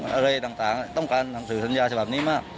อะไรต่างต้องการหนังสือสัญญาฉบับนี้มาก